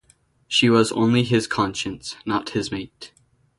She was only his conscience, not his mate.